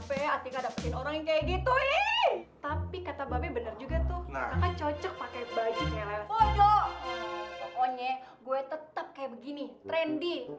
pokoknya gue tetep kayak begini trendy